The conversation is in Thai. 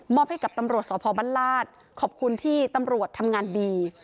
ให้กับตำรวจสพบัญลาศขอบคุณที่ตำรวจทำงานดี